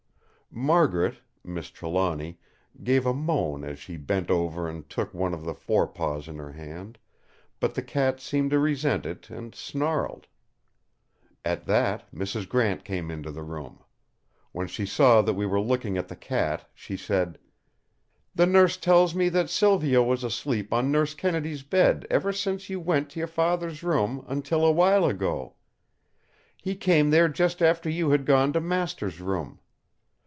Margaret—Miss Trelawny—gave a moan as she bent over and took one of the forepaws in her hand; but the cat seemed to resent it and snarled. At that Mrs. Grant came into the room. When she saw that we were looking at the cat she said: "The Nurse tells me that Silvio was asleep on Nurse Kennedy's bed ever since you went to your Father's room until a while ago. He came there just after you had gone to master's room.